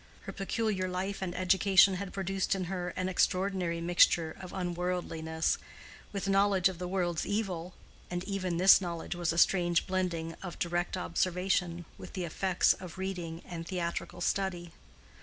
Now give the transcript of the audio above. Her peculiar life and education had produced in her an extraordinary mixture of unworldliness, with knowledge of the world's evil, and even this knowledge was a strange blending of direct observation with the effects of reading and theatrical study.